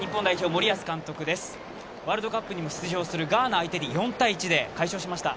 ワールドカップに出場するガーナ相手に４−１で快勝しました。